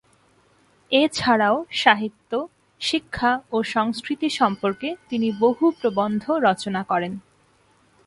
এছাড়াও সাহিত্য, শিক্ষা ও সংস্কৃতি সম্পর্কে তিনি বহু প্রবন্ধ রচনা করেন।